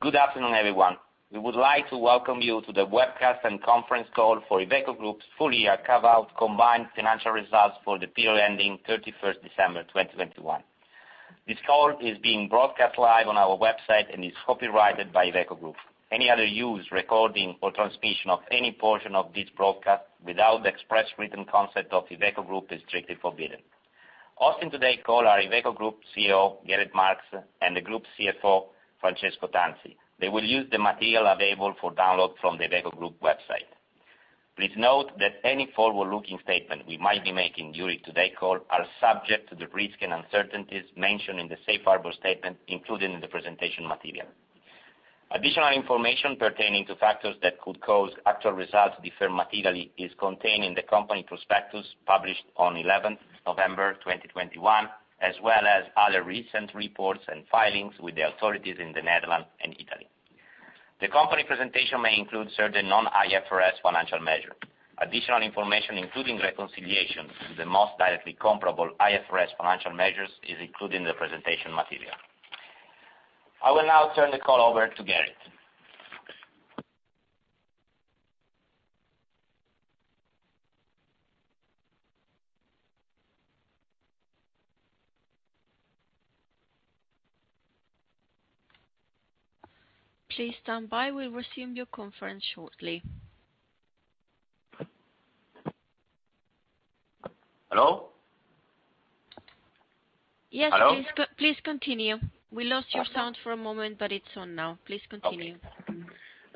Good afternoon, everyone. We would like to welcome you to the webcast and conference call for Iveco Group's full year carve-out combined financial results for the period ending 31st December 2021. This call is being broadcast live on our website and is copyrighted by Iveco Group. Any other use, recording, or transmission of any portion of this broadcast without the express written consent of Iveco Group is strictly forbidden. Hosting today's call are Iveco Group CEO Gerrit Marx and the Group CFO Francesco Tanzi. They will use the material available for download from the Iveco Group website. Please note that any forward-looking statement we might be making during today's call are subject to the risks and uncertainties mentioned in the safe harbor statement included in the presentation material. Additional information pertaining to factors that could cause actual results to differ materially is contained in the company prospectus published on 11 November 2021, as well as other recent reports and filings with the authorities in the Netherlands and Italy. The company presentation may include certain non-IFRS financial measures. Additional information, including reconciliation to the most directly comparable IFRS financial measures, is included in the presentation material. I will now turn the call over to Gerrit. Please stand by. We'll resume your conference shortly. Hello? Yes, please. Hello? Please continue. We lost your sound for a moment, but it's on now. Please continue.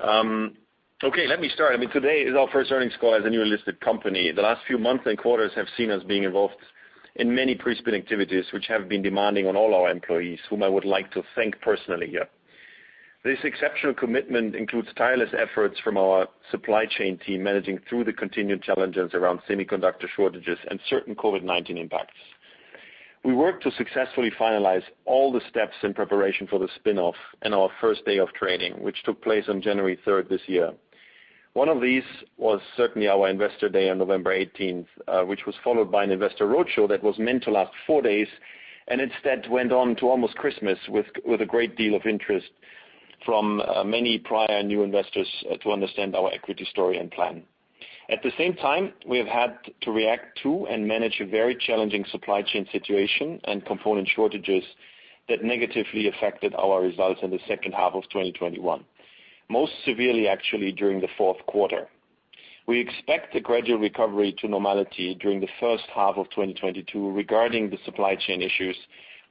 Okay, let me start. I mean, today is our first earnings call as a new unlisted company. The last few months and quarters have seen us being involved in many pre-spin activities which have been demanding on all our employees, whom I would like to thank personally here. This exceptional commitment includes tireless efforts from our supply chain team managing through the continued challenges around semiconductor shortages and certain COVID-19 impacts. We worked to successfully finalize all the steps in preparation for the spin-off and our first day of trading, which took place on January 3rd this year. One of these was certainly our Investor Day on November 18th, which was followed by an investor roadshow that was meant to last four days and instead went on to almost Christmas with a great deal of interest from many prior new investors to understand our equity story and plan. At the same time, we have had to react to and manage a very challenging supply chain situation and component shortages that negatively affected our results in the second half of 2021, most severely actually during the fourth quarter. We expect a gradual recovery to normality during the first half of 2022 regarding the supply chain issues,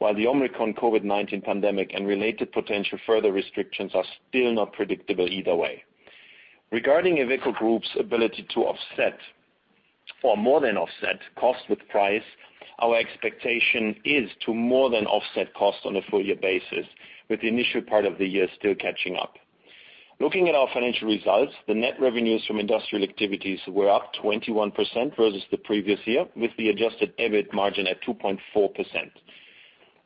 while the Omicron COVID-19 pandemic and related potential further restrictions are still not predictable either way. Regarding Iveco Group's ability to offset, or more than offset, cost with price, our expectation is to more than offset cost on a full year basis, with the initial part of the year still catching up. Looking at our financial results, the net revenues from industrial activities were up 21% versus the previous year, with the adjusted EBIT margin at 2.4%.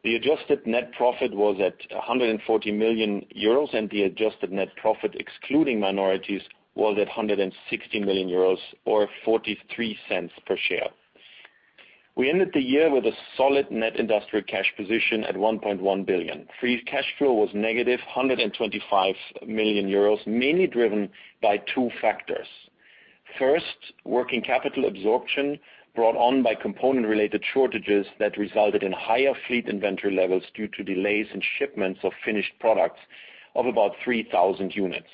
The adjusted net profit was at 140 million euros, and the adjusted net profit excluding minorities was at 160 million euros, or 0.43 per share. We ended the year with a solid net industrial cash position at 1.1 billion. Free cash flow was -125 million euros, mainly driven by two factors. First, working capital absorption brought on by component-related shortages that resulted in higher fleet inventory levels due to delays in shipments of finished products of about 3,000 units.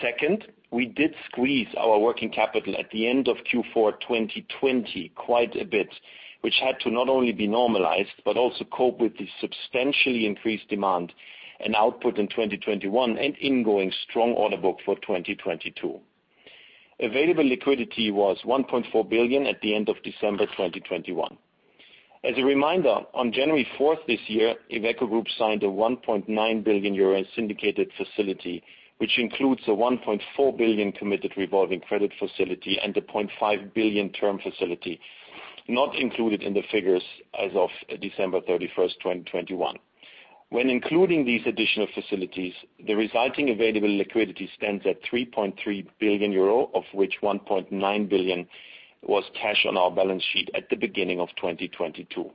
Second, we did squeeze our working capital at the end of Q4 2020 quite a bit, which had to not only be normalized, but also cope with the substantially increased demand and output in 2021 and going into strong order book for 2022. Available liquidity was 1.4 billion at the end of December 2021. As a reminder, on January 4th this year, Iveco Group signed a 1.9 billion euro syndicated facility, which includes a 1.4 billion committed revolving credit facility and a 0.5 billion term facility, not included in the figures as of December 31st, 2021. When including these additional facilities, the resulting available liquidity stands at 3.3 billion euro, of which 1.9 billion was cash on our balance sheet at the beginning of 2022.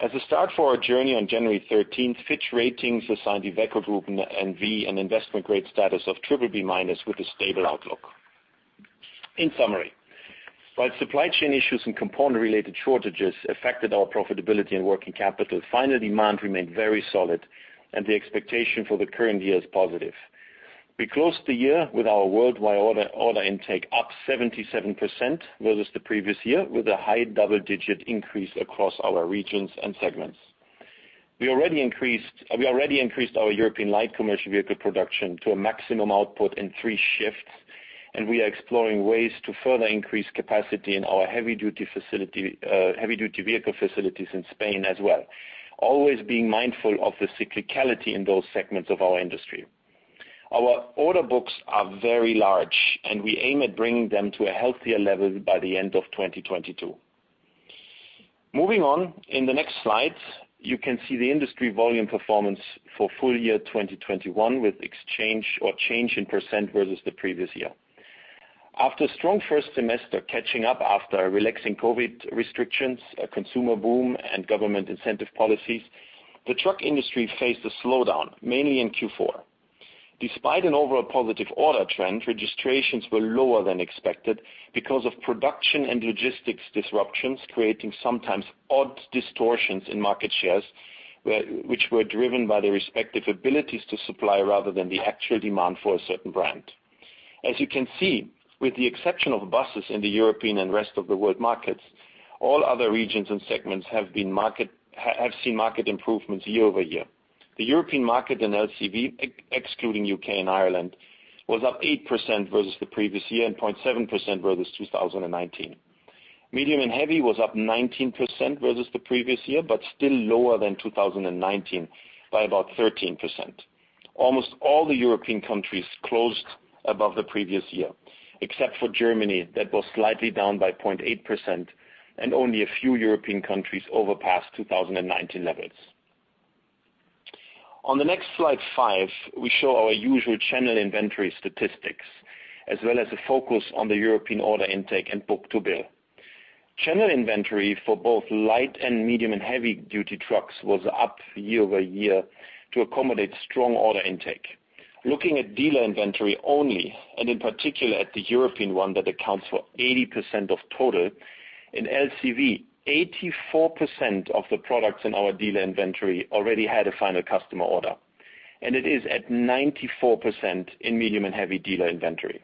As a start for our journey on January 13th, Fitch Ratings assigned Iveco Group N.V. an investment grade status of BBB- with a stable outlook. In summary, while supply chain issues and component-related shortages affected our profitability and working capital, final demand remained very solid, and the expectation for the current year is positive. We closed the year with our worldwide order intake up 77% versus the previous year, with a high double-digit increase across our regions and segments. We already increased our European light commercial vehicle production to a maximum output in three shifts, and we are exploring ways to further increase capacity in our heavy-duty facility, heavy-duty vehicle facilities in Spain as well, always being mindful of the cyclicality in those segments of our industry. Our order books are very large, and we aim at bringing them to a healthier level by the end of 2022. Moving on, in the next slide, you can see the industry volume performance for full year 2021 with exchange rate change in percent versus the previous year. After strong first semester catching up after relaxing COVID restrictions, a consumer boom and government incentive policies, the truck industry faced a slowdown mainly in Q4. Despite an overall positive order trend, registrations were lower than expected because of production and logistics disruptions, creating sometimes odd distortions in market shares, which were driven by their respective abilities to supply rather than the actual demand for a certain brand. As you can see, with the exception of buses in the European and rest of the world markets, all other regions and segments have seen market improvements year-over-year. The European market and LCV, excluding U.K. and Ireland, was up 8% versus the previous year, and 0.7% versus 2019. Medium and heavy was up 19% versus the previous year, but still lower than 2019 by about 13%. Almost all the European countries closed above the previous year, except for Germany that was slightly down by 0.8%, and only a few European countries over past 2019 levels. On the next slide five, we show our usual channel inventory statistics, as well as a focus on the European order intake and book-to-bill. Channel inventory for both light and medium and heavy-duty trucks was up year over year to accommodate strong order intake. Looking at dealer inventory only, and in particular at the European one that accounts for 80% of total. In LCV, 84% of the products in our dealer inventory already had a final customer order, and it is at 94% in medium and heavy dealer inventory.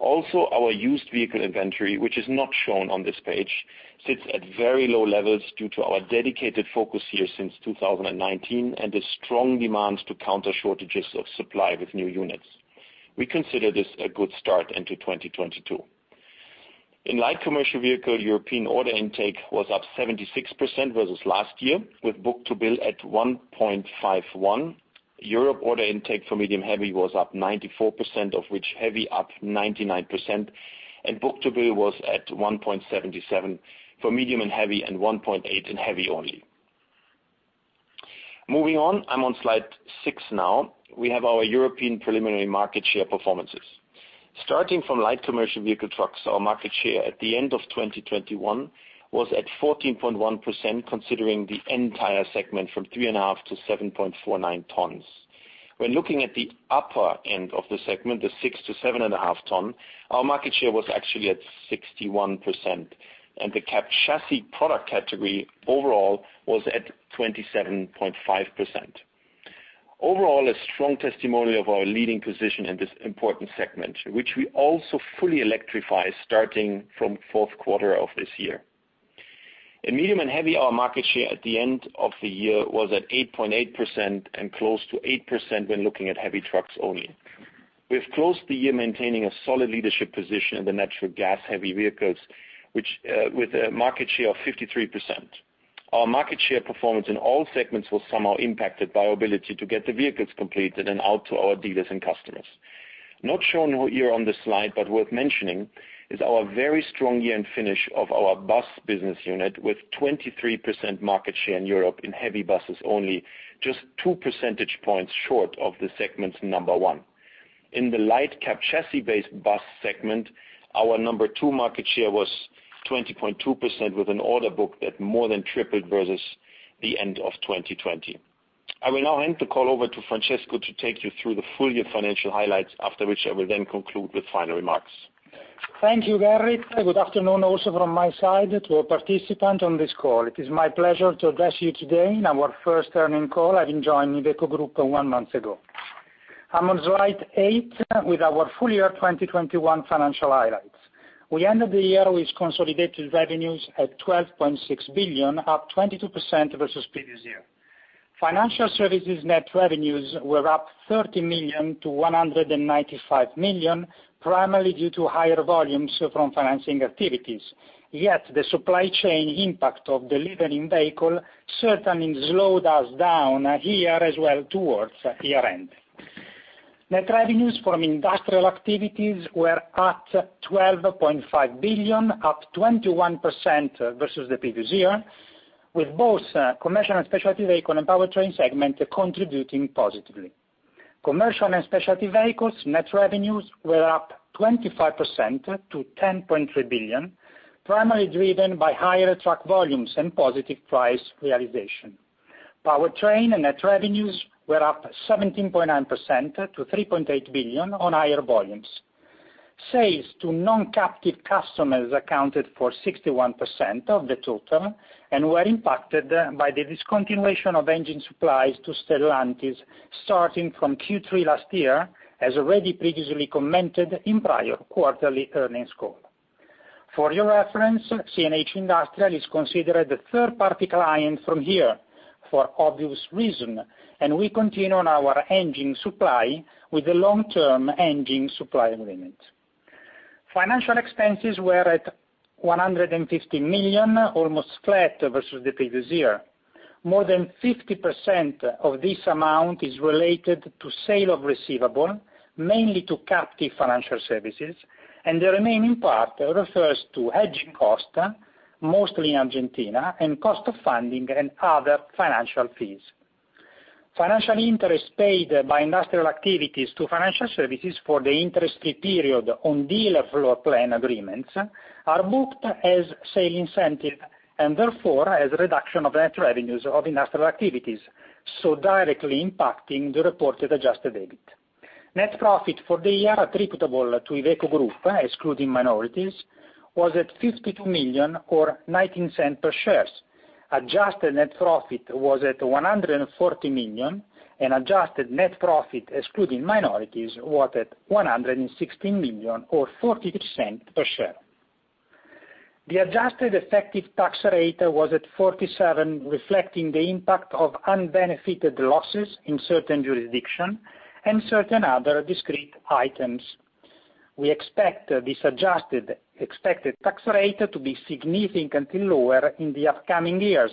Our used vehicle inventory, which is not shown on this page, sits at very low levels due to our dedicated focus here since 2019 and the strong demands to counter shortages of supply with new units. We consider this a good start into 2022. In light commercial vehicle, European order intake was up 76% versus last year, with book-to-bill at 1.51. Europe order intake for medium heavy was up 94%, of which heavy up 99%, and book-to-bill was at 1.77 for medium and heavy, and 1.8 in heavy only. Moving on, I'm on slide six now. We have our European preliminary market share performances. Starting from light commercial vehicle trucks, our market share at the end of 2021 was at 14.1%, considering the entire segment from 3.5 tons-7.49 tons. When looking at the upper end of the segment, the 6 tons-7.5 tons, our market share was actually at 61%, and the cab chassis product category overall was at 27.5%. Overall, a strong testimony of our leading position in this important segment, which we also fully electrify starting from fourth quarter of this year. In medium and heavy, our market share at the end of the year was at 8.8% and close to 8% when looking at heavy trucks only. We have closed the year maintaining a solid leadership position in the natural gas heavy vehicles, which with a market share of 53%. Our market share performance in all segments was somehow impacted by our ability to get the vehicles completed and out to our dealers and customers. Not shown here on this slide, but worth mentioning, is our very strong year-end finish of our bus business unit with 23% market share in Europe in heavy buses only, just 2 percentage points short of the segment's number one. In the light cab chassis-based bus segment, our number two market share was 20.2% with an order book that more than tripled versus the end of 2020. I will now hand the call over to Francesco to take you through the full year financial highlights, after which I will then conclude with final remarks. Thank you, Gerrit. Good afternoon also from my side to our participants on this call. It is my pleasure to address you today in our first earnings call. I've joined Iveco Group one month ago. I'm on slide eight with our full year 2021 financial highlights. We ended the year with consolidated revenues at 12.6 billion, up 22% versus previous year. Financial services net revenues were up 30 million to 195 million, primarily due to higher volumes from financing activities. Yet the supply chain impact of delivering vehicles certainly slowed us down here as well towards year-end. Net revenues from industrial activities were at 12.5 billion, up 21% versus the previous year, with both commercial and specialty vehicles and powertrain segments contributing positively. Commercial and Specialty Vehicles net revenues were up 25% to 10.3 billion, primarily driven by higher truck volumes and positive price realization. Powertrain net revenues were up 17.9% to 3.8 billion on higher volumes. Sales to non-captive customers accounted for 61% of the total and were impacted by the discontinuation of engine supplies to Stellantis starting from Q3 last year, as already previously commented in prior quarterly earnings call. For your reference, CNH Industrial is considered a third-party client from here for obvious reason, and we continue on our engine supply with the long-term engine supply agreement. Financial expenses were at 150 million, almost flat versus the previous year. More than 50% of this amount is related to sale of receivables, mainly to captive financial services, and the remaining part refers to hedging costs, mostly in Argentina, and cost of funding and other financial fees. Financial interest paid by industrial activities to financial services for the interest-free period on dealer floorplan agreements are booked as sales incentives, and therefore as a reduction of net revenues of industrial activities, so directly impacting the reported adjusted EBIT. Net profit for the year attributable to Iveco Group, excluding minorities, was at 52 million or 0.19 per share. Adjusted net profit was at 140 million, and adjusted net profit excluding minorities was at 116 million or 0.40 per share. The adjusted effective tax rate was at 47%, reflecting the impact of unbenefited losses in certain jurisdictions and certain other discrete items. We expect this adjusted expected tax rate to be significantly lower in the upcoming years.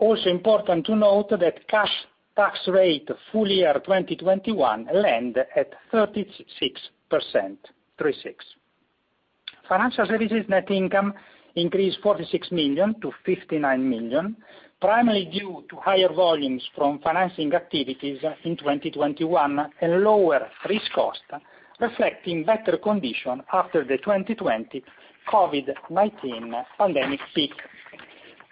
Important to note that cash tax rate full year 2021 landed at 36%, 36%. Financial services net income increased 46 million to 59 million, primarily due to higher volumes from financing activities in 2021 and lower risk cost, reflecting better conditions after the 2020 COVID-19 pandemic peak.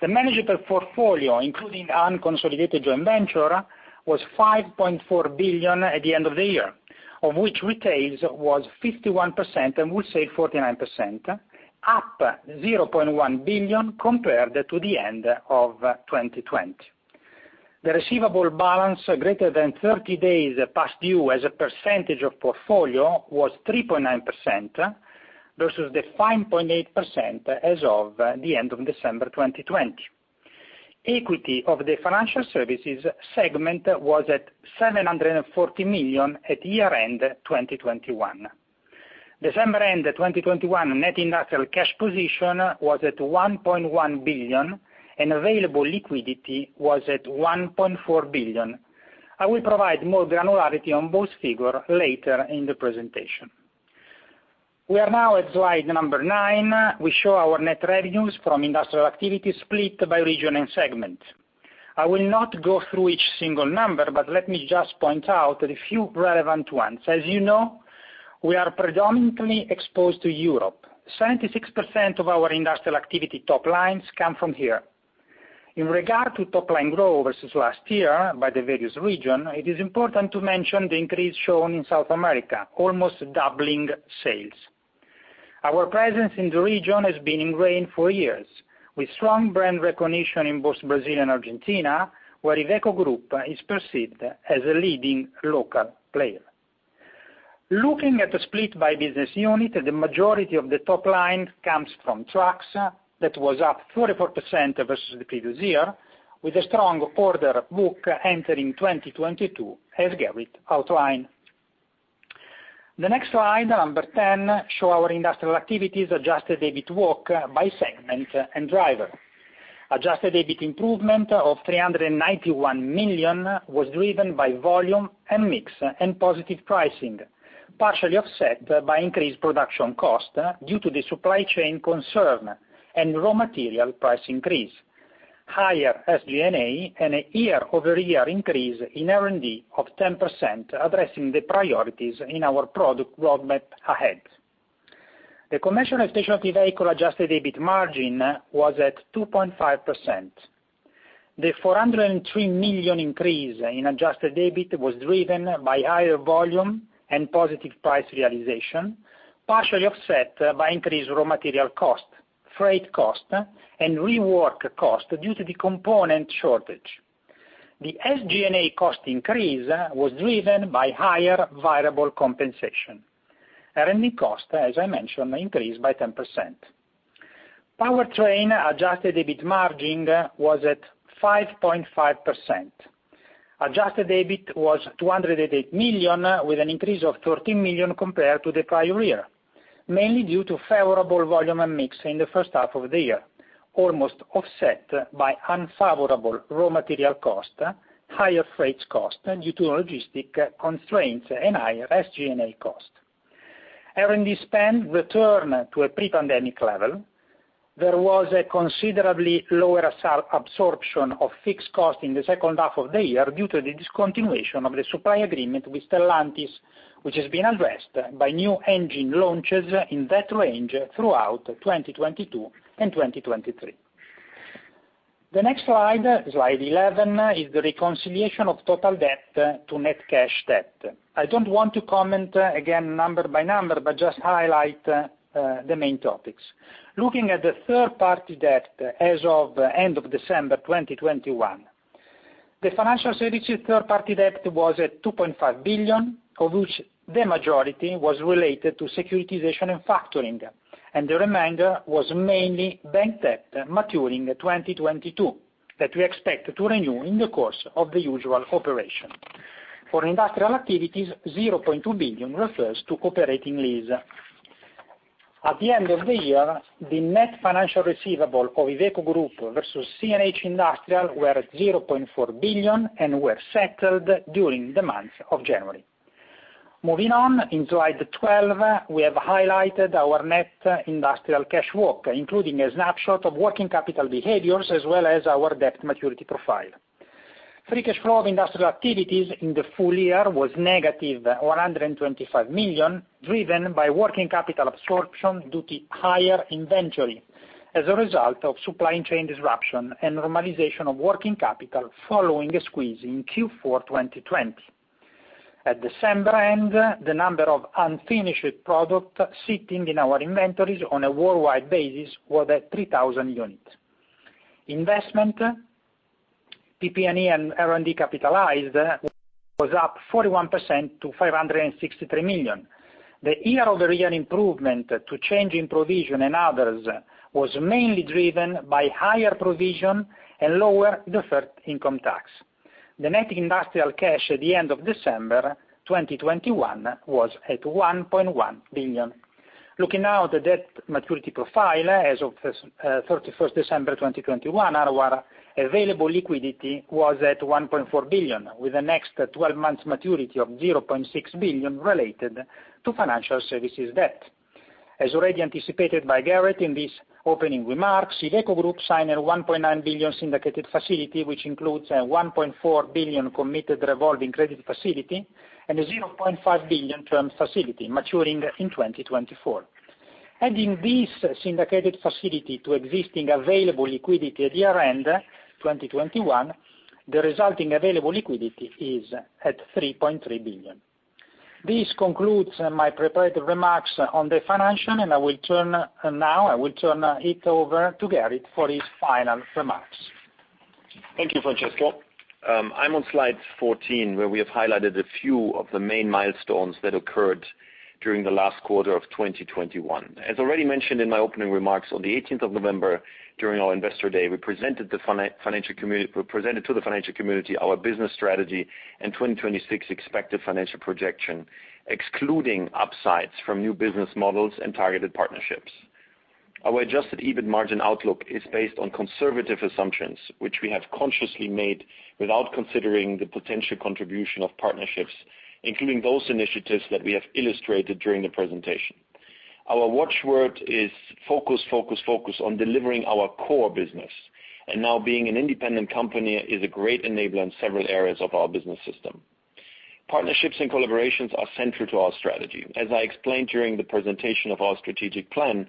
The managed portfolio, including unconsolidated joint venture, was 5.4 billion at the end of the year, of which retail was 51% and wholesale 49%, up 0.1 billion compared to the end of 2020. The receivable balance greater than 30 days past due as a percentage of portfolio was 3.9% versus the 5.8% as of the end of December 2020. Equity of the financial services segment was at 740 million at year-end 2021. December end 2021 net industrial cash position was at 1.1 billion, and available liquidity was at 1.4 billion. I will provide more granularity on both figure later in the presentation. We are now at slide number nine. We show our net revenues from industrial activity split by region and segment. I will not go through each single number, but let me just point out a few relevant ones. As you know, we are predominantly exposed to Europe. 76% of our industrial activity top lines come from here. In regard to top line growth versus last year by the various region, it is important to mention the increase shown in South America, almost doubling sales. Our presence in the region has been ingrained for years, with strong brand recognition in both Brazil and Argentina, where Iveco Group is perceived as a leading local player. Looking at the split by business unit, the majority of the top line comes from trucks. That was up 44% versus the previous year, with a strong order book entering 2022 as Gerrit outlined. The next slide, number 10, shows our industrial activities adjusted EBIT walk by segment and driver. Adjusted EBIT improvement of 391 million was driven by volume and mix and positive pricing, partially offset by increased production cost due to the supply chain concern and raw material price increase. Higher SG&A and a year-over-year increase in R&D of 10% addressing the priorities in our product roadmap ahead. The Commercial and Specialty Vehicle adjusted EBIT margin was at 2.5%. The 403 million increase in adjusted EBIT was driven by higher volume and positive price realization, partially offset by increased raw material cost, freight cost, and rework cost due to the component shortage. The SG&A cost increase was driven by higher variable compensation. R&D cost, as I mentioned, increased by 10%. Powertrain adjusted EBIT margin was at 5.5%. Adjusted EBIT was 208 million, with an increase of 13 million compared to the prior year, mainly due to favorable volume and mix in the first half of the year, almost offset by unfavorable raw material cost, higher freight cost due to logistic constraints and higher SG&A cost. R&D spend return to a pre-pandemic level. There was a considerably lower absorption of fixed cost in the second half of the year due to the discontinuation of the supply agreement with Stellantis, which has been addressed by new engine launches in that range throughout 2022 and 2023. The next slide 11, is the reconciliation of total debt to net cash debt. I don't want to comment again number by number, but just highlight the main topics. Looking at the third-party debt as of the end of December 2021. The financial services third-party debt was at 2.5 billion, of which the majority was related to securitization and factoring, and the remainder was mainly bank debt maturing 2022 that we expect to renew in the course of the usual operation. For industrial activities, 0.2 billion refers to operating lease. At the end of the year, the net financial receivable of Iveco Group versus CNH Industrial were at 0.4 billion and were settled during the month of January. Moving on in slide 12, we have highlighted our net industrial cash walk, including a snapshot of working capital behaviors as well as our debt maturity profile. Free cash flow of industrial activities in the full year was -125 million, driven by working capital absorption due to higher inventory as a result of supply chain disruption and normalization of working capital following a squeeze in Q4 2020. At December end, the number of unfinished product sitting in our inventories on a worldwide basis was at 3,000 units. Investment, PP&E and R&D capitalized was up 41% to 563 million. The year-over-year improvement to change in provision and others was mainly driven by higher provision and lower deferred income tax. The net industrial cash at the end of December 2021 was at 1.1 billion. Looking now at the debt maturity profile as of December 31st, 2021, our available liquidity was at 1.4 billion, with the next 12 months maturity of 0.6 billion related to financial services debt. As already anticipated by Gerrit in his opening remarks, Iveco Group signed a 1.9 billion syndicated facility, which includes a 1.4 billion committed revolving credit facility and a 0.5 billion term facility maturing in 2024. Adding this syndicated facility to existing available liquidity at year-end 2021, the resulting available liquidity is at 3.3 billion. This concludes my prepared remarks on the financial, and I will turn it over to Gerrit for his final remarks. Thank you, Francesco. I'm on slide 14, where we have highlighted a few of the main milestones that occurred during the last quarter of 2021. As already mentioned in my opening remarks, on the November 18th during our Investor Day, we presented to the financial community our business strategy and 2026 expected financial projection, excluding upsides from new business models and targeted partnerships. Our adjusted EBIT margin outlook is based on conservative assumptions, which we have consciously made without considering the potential contribution of partnerships, including those initiatives that we have illustrated during the presentation. Our watch word is focus on delivering our core business, and now being an independent company is a great enabler in several areas of our business system. Partnerships and collaborations are central to our strategy. As I explained during the presentation of our strategic plan,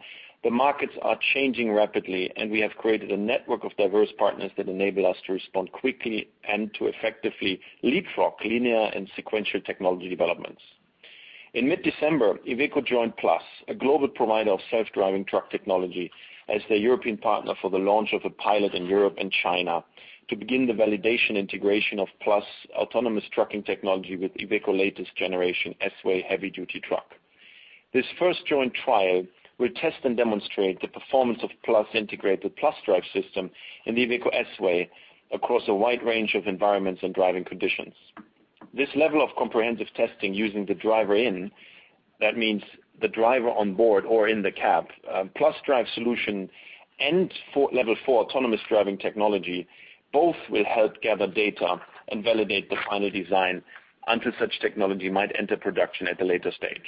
the markets are changing rapidly, and we have created a network of diverse partners that enable us to respond quickly and to effectively leapfrog linear and sequential technology developments. In mid-December, Iveco joined Plus, a global provider of self-driving truck technology, as the European partner for the launch of a pilot in Europe and China to begin the validation integration of Plus autonomous trucking technology with Iveco latest-generation S-Way heavy-duty truck. This first joint trial will test and demonstrate the performance of Plus integrated PlusDrive system in the Iveco S-Way across a wide range of environments and driving conditions. This level of comprehensive testing using the driver in, that means the driver on board or in the cab, PlusDrive solution and level four autonomous driving technology, both will help gather data and validate the final design until such technology might enter production at a later stage.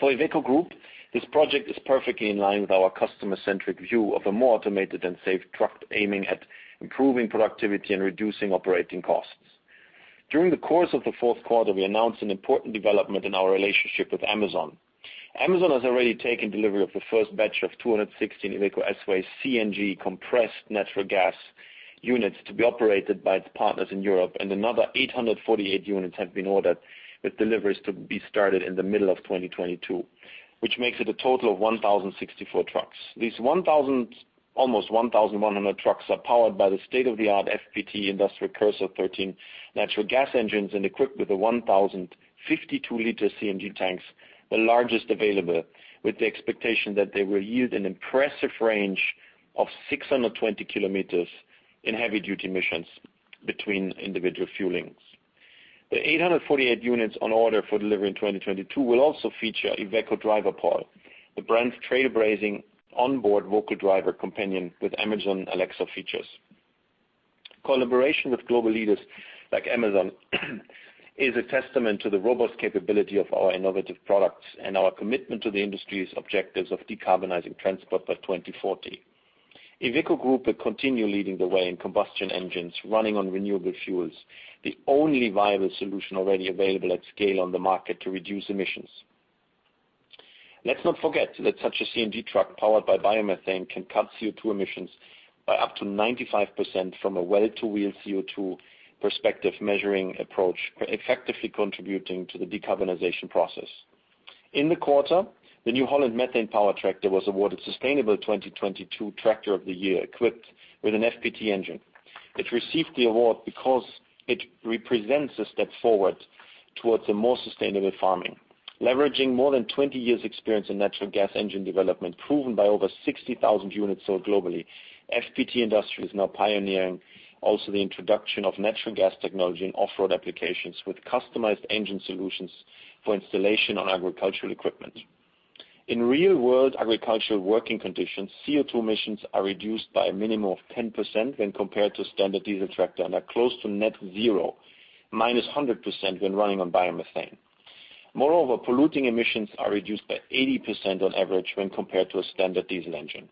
For Iveco Group, this project is perfectly in line with our customer-centric view of a more automated and safe truck aiming at improving productivity and reducing operating costs. During the course of the fourth quarter, we announced an important development in our relationship with Amazon. Amazon has already taken delivery of the first batch of 216 Iveco S-Way CNG compressed natural gas units to be operated by its partners in Europe, and another 848 units have been ordered, with deliveries to be started in the middle of 2022, which makes it a total of 1,064 trucks. These almost 1,100 trucks are powered by the state-of-the-art FPT Industrial Cursor 13 Natural Gas engines and equipped with the 1,052 L CNG tanks, the largest available, with the expectation that they will yield an impressive range of 620 km in heavy duty emissions between individual fuelings. The 848 units on order for delivery in 2022 will also feature Iveco Driver Pal, the brand's trailblazing onboard vocal driver companion with Amazon Alexa features. Collaboration with global leaders like Amazon is a testament to the robust capability of our innovative products and our commitment to the industry's objectives of decarbonizing transport by 2040. Iveco Group will continue leading the way in combustion engines running on renewable fuels, the only viable solution already available at scale on the market to reduce emissions. Let's not forget that such a CNG truck powered by biomethane can cut CO2 emissions by up to 95% from a well-to-wheel CO2 perspective measuring approach, effectively contributing to the decarbonization process. In the quarter, the New Holland Methane Powered tractor was awarded Sustainable 2022 Tractor of the Year equipped with an FPT engine. It received the award because it represents a step forward towards a more sustainable farming. Leveraging more than 20 years' experience in natural gas engine development, proven by over 60,000 units sold globally, FPT Industrial is now pioneering also the introduction of natural gas technology in off-road applications with customized engine solutions for installation on agricultural equipment. In real world agricultural working conditions, CO2 emissions are reduced by a minimum of 10% when compared to standard diesel tractor and are close to net zero, -100% when running on biomethane. Moreover, polluting emissions are reduced by 80% on average when compared to a standard diesel engine.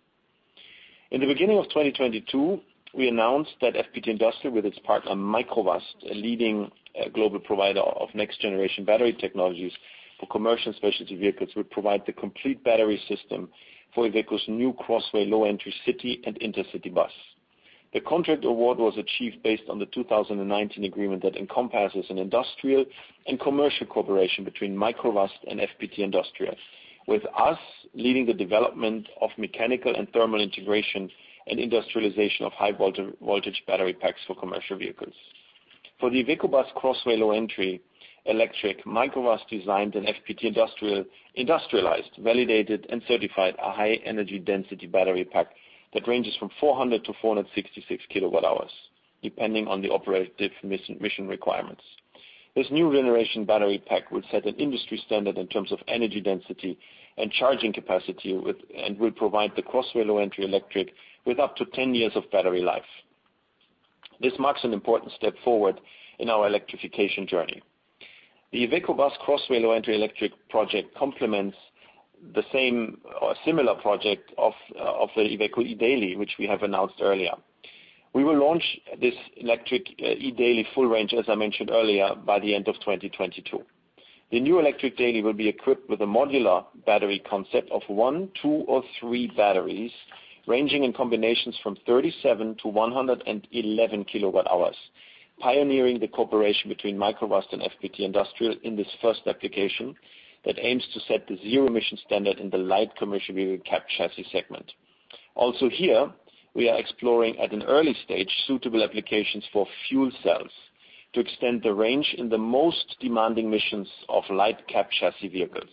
In the beginning of 2022, we announced that FPT Industrial with its partner Microvast, a leading global provider of next generation battery technologies for commercial specialty vehicles, would provide the complete battery system for the IVECO's new CROSSWAY Low Entry city and intercity bus. The contract award was achieved based on the 2019 agreement that encompasses an industrial and commercial cooperation between Microvast and FPT Industrial, with us leading the development of mechanical and thermal integration and industrialization of high voltage battery packs for commercial vehicles. For the IVECO BUS CROSSWAY Low Entry Electric, Microvast designed and FPT Industrial industrialized, validated and certified a high energy density battery pack that ranges from 400 kWh-466 kWh, depending on the operative mission requirements. This new generation battery pack will set an industry standard in terms of energy density and charging capacity and will provide the CROSSWAY Low Entry Electric with up to 10 years of battery life. This marks an important step forward in our electrification journey. The IVECO BUS CROSSWAY Low Entry Electric project complements the same or similar project of the Iveco eDaily, which we have announced earlier. We will launch this electric eDaily full range, as I mentioned earlier, by the end of 2022. The new electric Daily will be equipped with a modular battery concept of 1, 2 or 3 batteries, ranging in combinations from 37 kWh-111 kWh, pioneering the cooperation between Microvast and FPT Industrial in this first application that aims to set the zero emission standard in the light commercial vehicle cab chassis segment. Also here, we are exploring at an early stage suitable applications for fuel cells to extend the range in the most demanding missions of light cab chassis vehicles.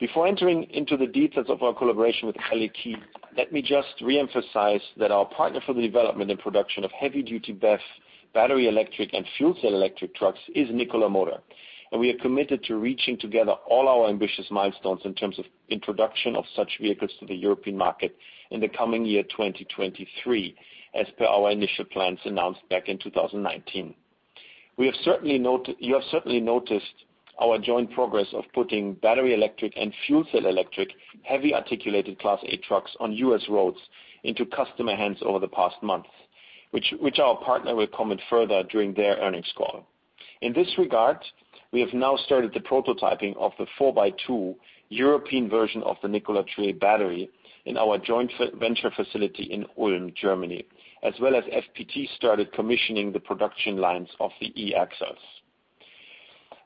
Before entering into the details of our collaboration with Heuliez, let me just re-emphasize that our partner for the development and production of heavy duty BEV battery electric and fuel cell electric trucks is Nikola Motor, and we are committed to reaching together all our ambitious milestones in terms of introduction of such vehicles to the European market in the coming year, 2023, as per our initial plans announced back in 2019. You have certainly noticed our joint progress of putting battery electric and fuel cell electric heavy articulated Class 8 trucks on U.S. roads into customer hands over the past months, which our partner will comment further during their earnings call. In this regard, we have now started the prototyping of the 4x2 European version of the Nikola Tre battery in our joint venture facility in Ulm, Germany, as well as FPT started commissioning the production lines of the e-axles.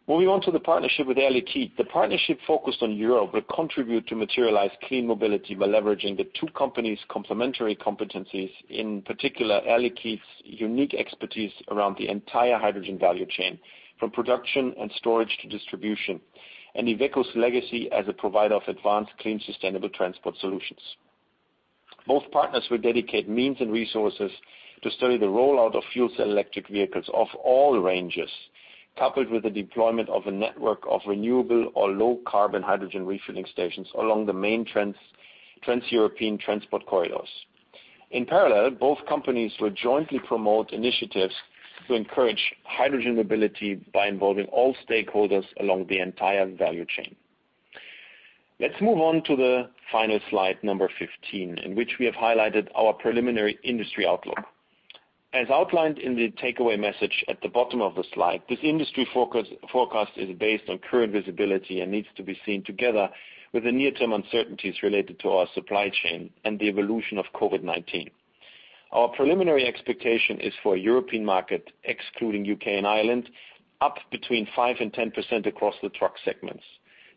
Moving on to the partnership with Hyundai. The partnership focused on Europe will contribute to materialize clean mobility by leveraging the two companies' complementary competencies, in particular, Hyundai's unique expertise around the entire hydrogen value chain, from production and storage to distribution, and Iveco's legacy as a provider of advanced, clean, sustainable transport solutions. Both partners will dedicate means and resources to study the rollout of fuel cell electric vehicles of all ranges, coupled with the deployment of a network of renewable or low carbon hydrogen refueling stations along the main Trans-European Transport Corridors. In parallel, both companies will jointly promote initiatives to encourage hydrogen mobility by involving all stakeholders along the entire value chain. Let's move on to the final slide, number 15, in which we have highlighted our preliminary industry outlook. As outlined in the takeaway message at the bottom of the slide, this industry focus forecast is based on current visibility and needs to be seen together with the near-term uncertainties related to our supply chain and the evolution of COVID-19. Our preliminary expectation is for a European market, excluding U.K. and Ireland, up 5%-10% across the truck segments.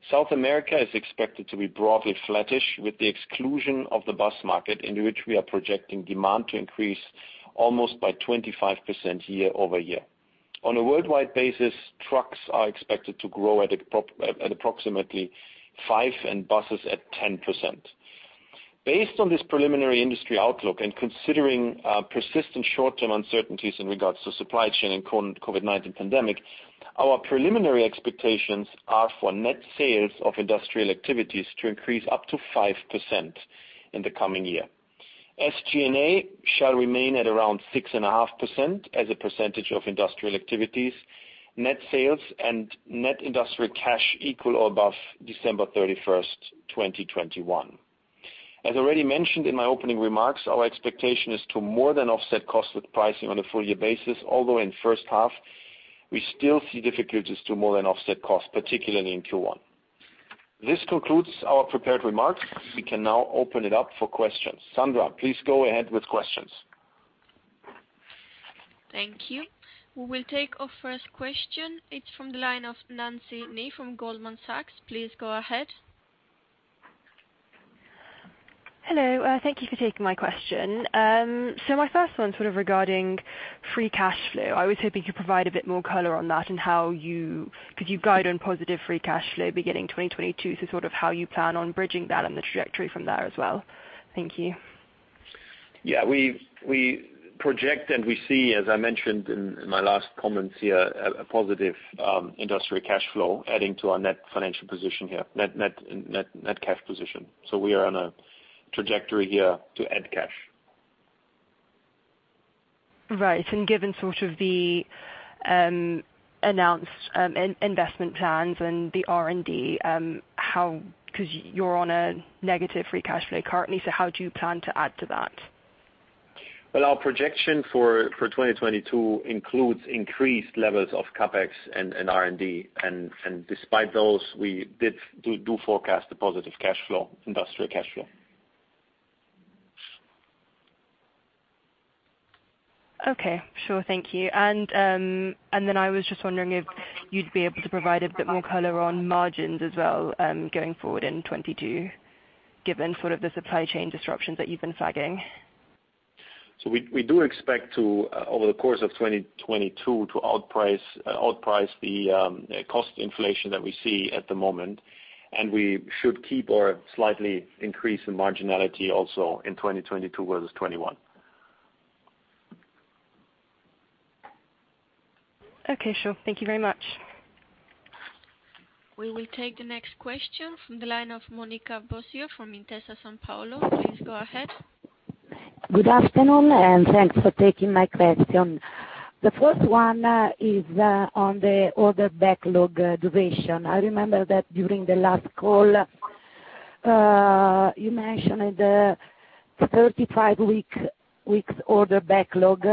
South America is expected to be broadly flattish, with the exclusion of the bus market, in which we are projecting demand to increase almost by 25% year-over-year. On a worldwide basis, trucks are expected to grow at approximately 5% and buses at 10%. Based on this preliminary industry outlook and considering persistent short-term uncertainties in regards to supply chain and current COVID-19 pandemic, our preliminary expectations are for net sales of industrial activities to increase up to 5% in the coming year. SG&A shall remain at around 6.5% as a percentage of industrial activities net sales, and net industrial cash equal or above December 31st, 2021. As already mentioned in my opening remarks, our expectation is to more than offset costs with pricing on a full year basis, although in first half we still see difficulties to more than offset costs, particularly in Q1. This concludes our prepared remarks. We can now open it up for questions. Sandra, please go ahead with questions. Thank you. We will take our first question. It's from the line of [Nancy Le] from Goldman Sachs. Please go ahead. Hello. Thank you for taking my question. My first one's sort of regarding free cash flow. I was hoping you could provide a bit more color on that. Could you guide on positive free cash flow beginning 2022? Sort of how you plan on bridging that and the trajectory from there as well. Thank you. Yeah, we project and we see, as I mentioned in my last comments here, a positive industry cash flow adding to our net financial position here, net cash position. We are on a trajectory here to add cash. Right. Given sort of the announced investment plans and the R&D, how 'cause you're on a negative free cash flow currently, so how do you plan to add to that? Well, our projection for 2022 includes increased levels of CapEx and R&D. Despite those, we do forecast a positive cash flow, industrial cash flow. Okay. Sure. Thank you. I was just wondering if you'd be able to provide a bit more color on margins as well, going forward in 2022, given sort of the supply chain disruptions that you've been flagging. We do expect to, over the course of 2022, to outprice the cost inflation that we see at the moment. We should keep or slightly increase the marginality also in 2022 versus 2021. Okay, sure. Thank you very much. We will take the next question from the line of Monica Bosio from Intesa Sanpaolo. Please go ahead. Good afternoon, and thanks for taking my question. The first one is on the order backlog duration. I remember that during the last call, you mentioned the 35 weeks order backlog,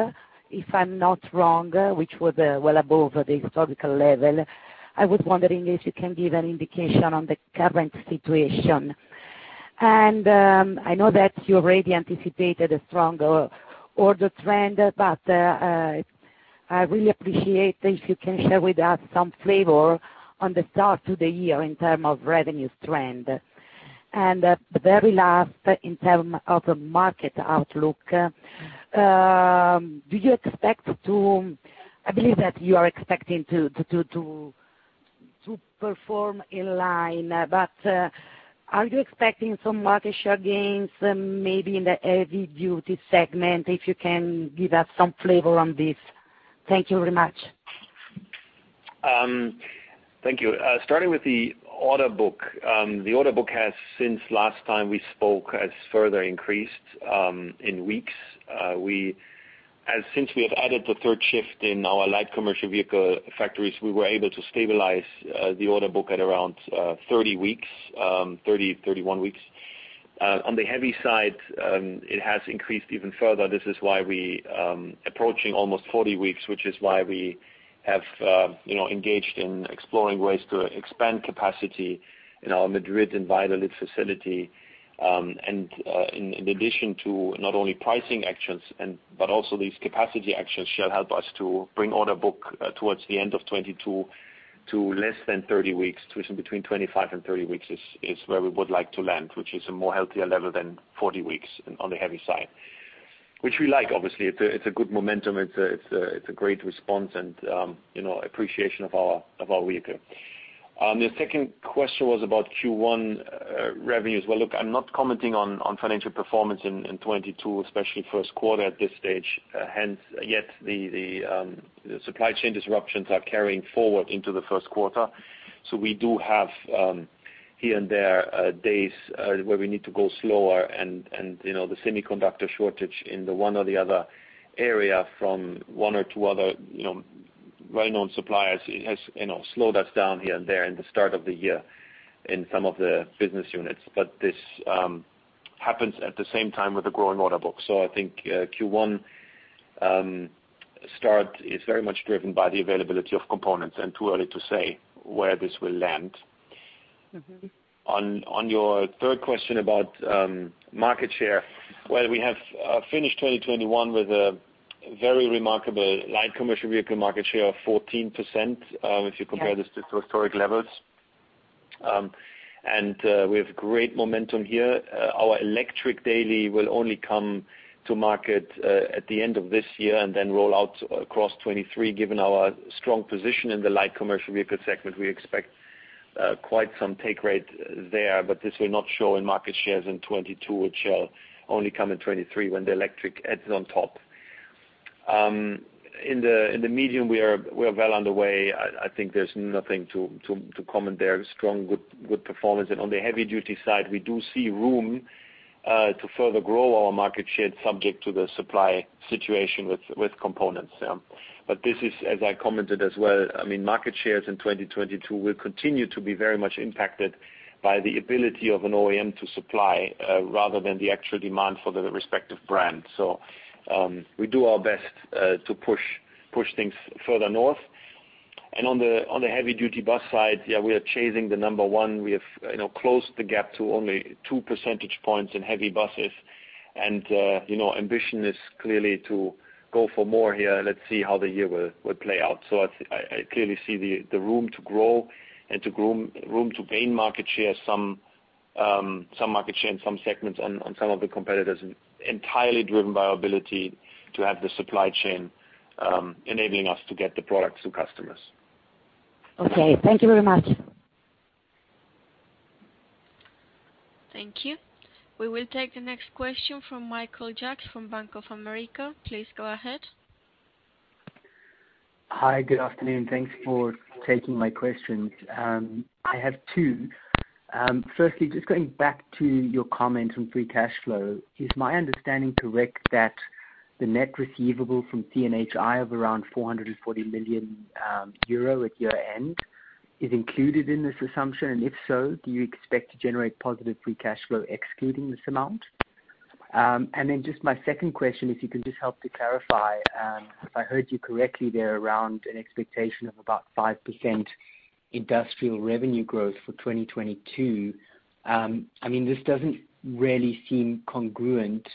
if I'm not wrong, which was well above the historical level. I was wondering if you can give an indication on the current situation. I know that you already anticipated a stronger order trend, but I really appreciate if you can share with us some flavor on the start to the year in term of revenues trend. The very last, in term of market outlook, do you expect to I believe that you are expecting to perform in line. But are you expecting some market share gains maybe in the heavy duty segment? If you can give us some flavor on this. Thank you very much. Thank you. Starting with the order book. The order book has, since last time we spoke, further increased in weeks. Since we have added the third shift in our light commercial vehicle factories, we were able to stabilize the order book at around 30 weeks, 31 weeks. On the heavy side, it has increased even further. This is why we are approaching almost 40 weeks, which is why we have, you know, engaged in exploring ways to expand capacity in our Madrid and Valladolid facility. In addition to not only pricing actions but also these capacity actions shall help us to bring order book towards the end of 2022 to less than 30 weeks. Between 25 and 30 weeks is where we would like to land, which is a more healthier level than 40 weeks on the heavy side, which we like, obviously. It's a great response and appreciation of our vehicle. The second question was about Q1 revenues. Well, look, I'm not commenting on financial performance in 2022, especially first quarter at this stage. Hence, yet the supply chain disruptions are carrying forward into the first quarter. We do have here and there days where we need to go slower. You know, the semiconductor shortage in the one or the other area from one or two other, you know, well-known suppliers has, you know, slowed us down here and there in the start of the year in some of the business units. This happens at the same time with a growing order book. I think Q1 start is very much driven by the availability of components and too early to say where this will land. Mm-hmm. On your third question about market share, well, we have finished 2021 with a very remarkable light commercial vehicle market share of 14%, if you compare this to historic levels. We have great momentum here. Our electric Daily will only come to market at the end of this year and then roll out across 2023. Given our strong position in the light commercial vehicle segment, we expect quite some take rate there, but this will not show in market shares in 2022. It shall only come in 2023 when the electric adds on top. In the medium, we are well underway. I think there's nothing to comment there. Strong, good performance. On the heavy duty side, we do see room to further grow our market share subject to the supply situation with components. This is, as I commented as well, I mean, market shares in 2022 will continue to be very much impacted by the ability of an OEM to supply rather than the actual demand for the respective brand. We do our best to push things further north. On the heavy duty bus side, we are chasing the number one. We have, you know, closed the gap to only 2 percentage points in heavy buses. You know, ambition is clearly to go for more here. Let's see how the year will play out. I clearly see the room to grow and room to gain market share, some market share in some segments over some of the competitors entirely driven by our ability to have the supply chain enabling us to get the products to customers. Okay. Thank you very much. Thank you. We will take the next question from Michael Jacks from Bank of America. Please go ahead. Hi, good afternoon. Thanks for taking my questions. I have two. Firstly, just going back to your comment on free cash flow. Is my understanding correct that the net receivable from CNHI of around 440 million euro at year-end is included in this assumption? And if so, do you expect to generate positive free cash flow excluding this amount? And then just my second question is if you can just help to clarify, if I heard you correctly there around an expectation of about 5% industrial revenue growth for 2022. I mean, this doesn't really seem congruent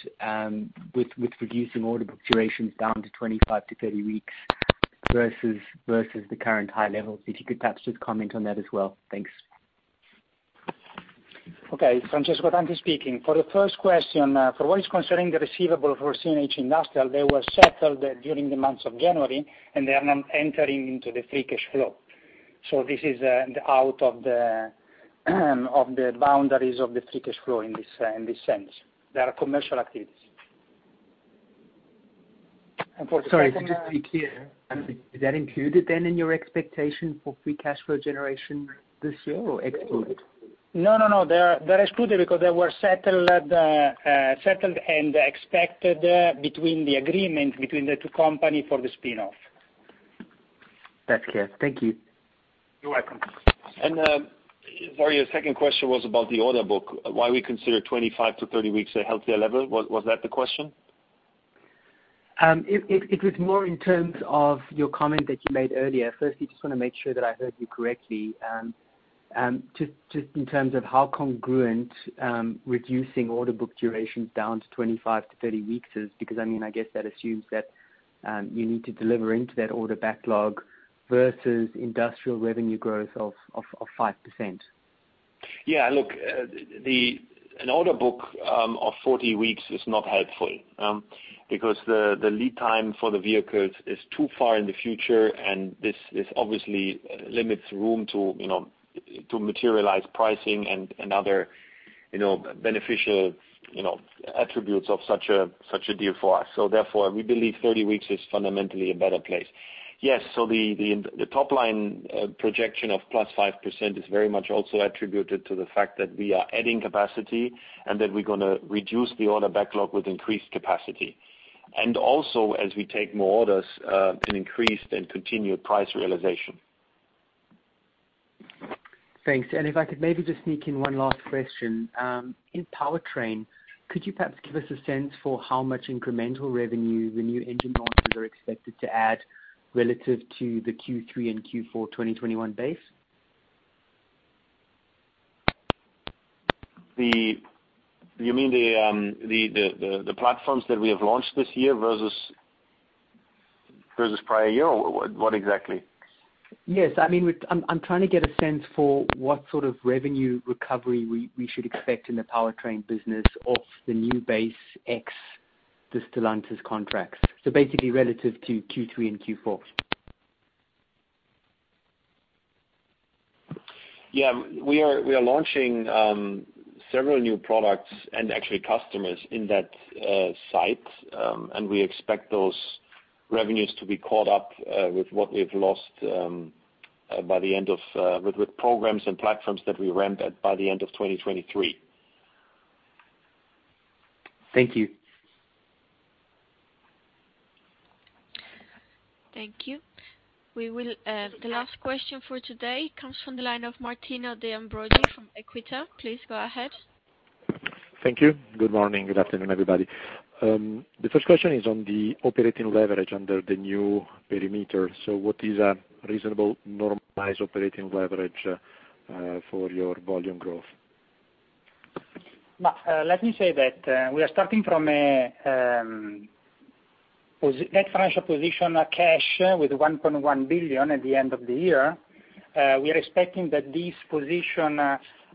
with reducing order book durations down to 25-30 weeks versus the current high level. If you could perhaps just comment on that as well. Thanks. Okay. Francesco Tanzi speaking. For the first question, for what is concerning the receivable for CNH Industrial, they were settled during the months of January, and they are now entering into the free cash flow. This is out of the boundaries of the free cash flow in this sense. There are commercial activities. For the second- Sorry, just to be clear, is that included then in your expectation for free cash flow generation this year or excluded? No, they're excluded because they were settled and expected in the agreement between the two companies for the spin-off. That's clear. Thank you. You're welcome. Sorry, your second question was about the order book, why we consider 25-30 weeks a healthier level. Was that the question? It was more in terms of your comment that you made earlier. Firstly, just wanna make sure that I heard you correctly, just in terms of how congruent reducing order book durations down to 25-30 weeks is because, I mean, I guess that assumes that you need to deliver into that order backlog versus industrial revenue growth of 5%. Yeah, look, an order book of 40 weeks is not helpful because the lead time for the vehicles is too far in the future, and this obviously limits room to, you know, to materialize pricing and other, you know, beneficial, you know, attributes of such a deal for us. Therefore, we believe 30 weeks is fundamentally a better place. Yes. The top line projection of +5% is very much also attributed to the fact that we are adding capacity, and that we're gonna reduce the order backlog with increased capacity. Also, as we take more orders, an increased and continued price realization. Thanks. If I could maybe just sneak in one last question. In powertrain, could you perhaps give us a sense for how much incremental revenue the new engine launches are expected to add relative to the Q3 and Q4 2021 base? You mean the platforms that we have launched this year versus prior year, or what exactly? Yes. I mean, I'm trying to get a sense for what sort of revenue recovery we should expect in the powertrain business of the new base X, the Stellantis contracts. Basically relative to Q3 and Q4. Yeah. We are launching several new products and actually customers in that site, and we expect those revenues to be caught up with what we've lost by the end of 2023 with programs and platforms that we ramped up by the end of 2023. Thank you. Thank you. The last question for today comes from the line of Martino De Ambroggi from Equita. Please go ahead. Thank you. Good morning. Good afternoon, everybody. The first question is on the operating leverage under the new perimeter. What is a reasonable normalized operating leverage for your volume growth? Let me say that we are starting from a net financial position, a cash with 1.1 billion at the end of the year. We are expecting that this position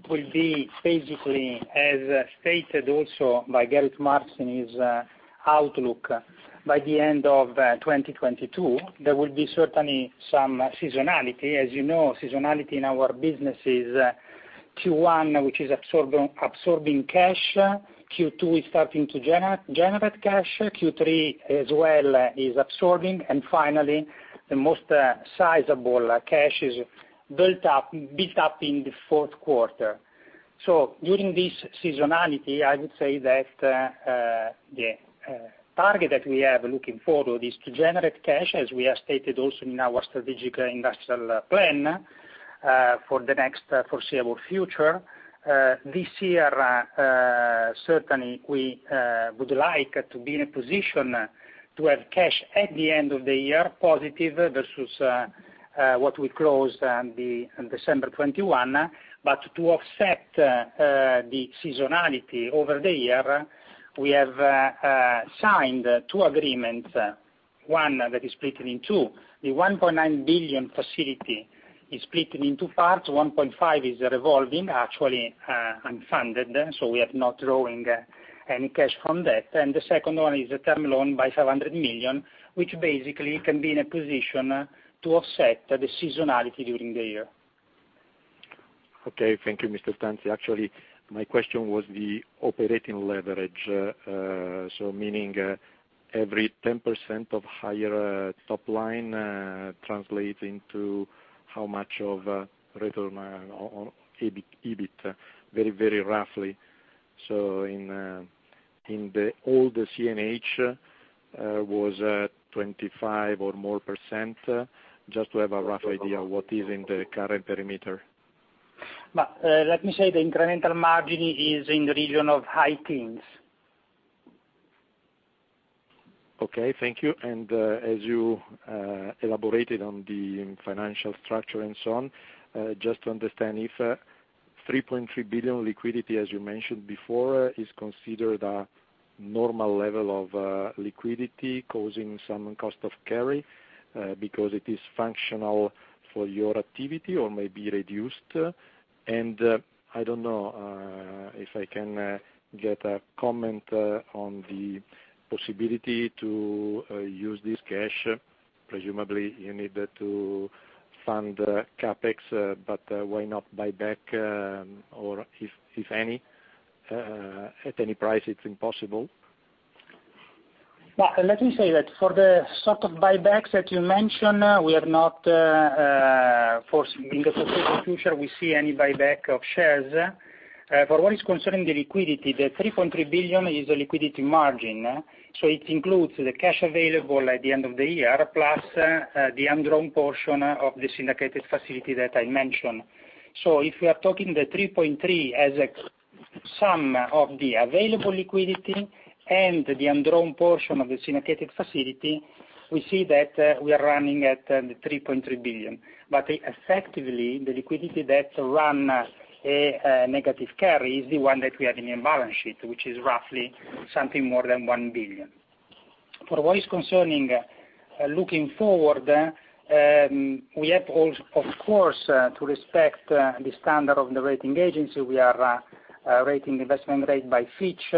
will be basically as stated also by Gerrit Marx in his outlook. By the end of 2022, there will be certainly some seasonality. As you know, seasonality in our business is Q1, which is absorbing cash. Q2 is starting to generate cash. Q3 as well is absorbing. Finally, the most sizable cash is built up in the fourth quarter. During this seasonality, I would say that the target that we have looking forward is to generate cash, as we have stated also in our strategic industrial plan for the next foreseeable future. This year, certainly we would like to be in a position to have cash at the end of the year positive versus what we closed the December 2021. To offset the seasonality over the year, we have signed two agreements, one that is split in two. The 1.9 billion facility is split in two parts. 1.5 billion is revolving, actually, unfunded, so we are not drawing and cash from that. The second one is a term loan of 500 million, which basically can be in a position to offset the seasonality during the year. Okay, thank you, Mr. Tanzi. Actually, my question was the operating leverage. Meaning, every 10% higher top line translates into how much of a return on EBIT, very roughly. In the older CNH, it was at 25% or more. Just to have a rough idea of what is in the current perimeter. Let me say the incremental margin is in the region of high teens. Okay, thank you. As you elaborated on the financial structure and so on, just to understand if 3.3 billion liquidity, as you mentioned before, is considered a normal level of liquidity causing some cost of carry, because it is functional for your activity or may be reduced. I don't know if I can get a comment on the possibility to use this cash. Presumably, you need to fund CapEx, but why not buy back, or if any, at any price, it's impossible. Well, let me say that for the sort of buybacks that you mentioned, we do not foresee any buyback of shares in the foreseeable future. For what concerns the liquidity, the 3.3 billion is a liquidity margin. It includes the cash available at the end of the year, plus the undrawn portion of the syndicated facility that I mentioned. If we are talking the 3.3 billion as a sum of the available liquidity and the undrawn portion of the syndicated facility, we see that we are running at the 3.3 billion. But effectively, the liquidity that runs a negative carry is the one that we have in the balance sheet, which is roughly something more than 1 billion. for what concerns looking forward, we have of course to respect the standard of the rating agency. We are rated investment grade by Fitch.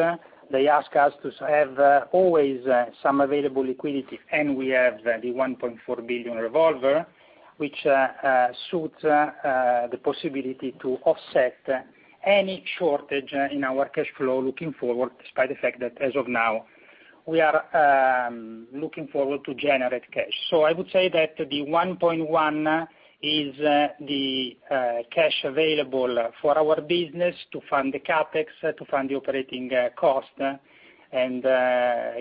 They ask us to have always some available liquidity, and we have the 1.4 billion revolver, which suits the possibility to offset any shortage in our cash flow looking forward, despite the fact that as of now, we are looking forward to generate cash. I would say that the 1.1 billion is the cash available for our business to fund the CapEx, to fund the operating cost, and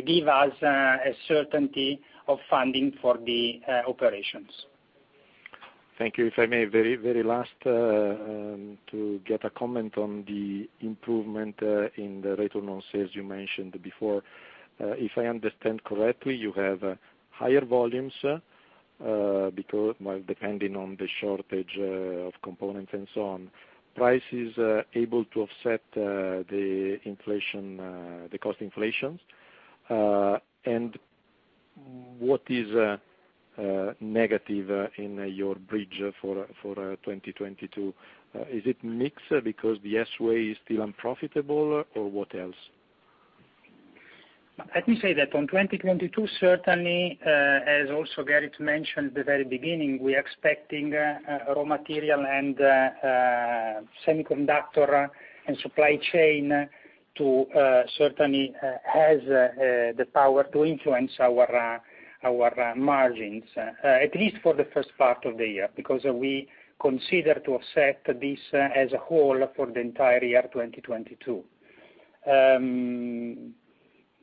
give us a certainty of funding for the operations. Thank you. If I may very, very last to get a comment on the improvement in the rate on net sales you mentioned before. If I understand correctly, you have higher volumes because well, depending on the shortage of components and so on. Price is able to offset the inflation, the cost inflation. What is negative in your bridge for 2022? Is it mix because the S-Way is still unprofitable, or what else? Let me say that on 2022, certainly, as also Gerrit mentioned at the very beginning, we are expecting raw material and semiconductor and supply chain to certainly has the power to influence our margins at least for the first part of the year, because we consider to offset this as a whole for the entire year 2022.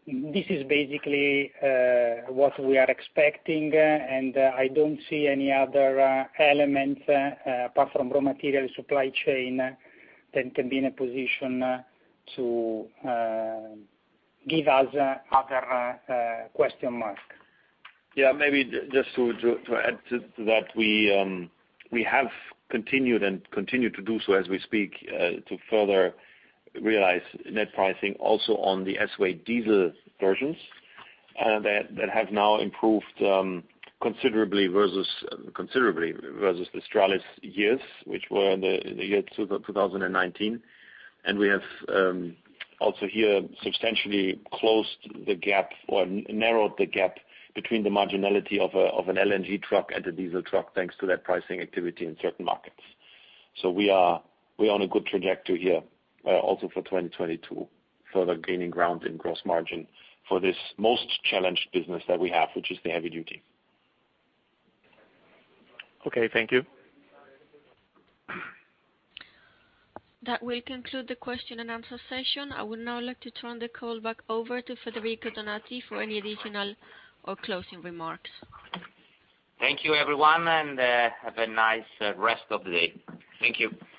This is basically what we are expecting, and I don't see any other elements apart from raw material supply chain that can be in a position to give us other question mark. Yeah, maybe just to add to that, we have continued and continue to do so as we speak, to further realize net pricing also on the S-Way diesel versions, that have now improved considerably versus the Stralis years, which were the year 2019. We have also here substantially closed the gap or narrowed the gap between the marginality of an LNG truck and a diesel truck, thanks to that pricing activity in certain markets. We're on a good trajectory here, also for 2022, further gaining ground in gross margin for this most challenged business that we have, which is the heavy duty. Okay, thank you. That will conclude the question and answer session. I would now like to turn the call back over to Federico Donati for any additional or closing remarks. Thank you, everyone, and have a nice rest of the day. Thank you. Bye.